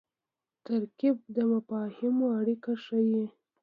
ترکیب د مفاهیمو اړیکه ښيي.